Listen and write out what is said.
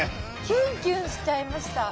キュンキュンしちゃいました。